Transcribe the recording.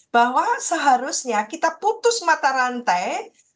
bahwa seharusnya kita putus mata rantai